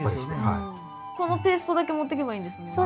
このペーストだけ持ってけばいいんですもんね。